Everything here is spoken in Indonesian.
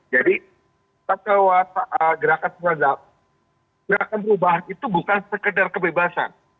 jadi perkewataan gerakan berubah itu bukan sekedar kebebasan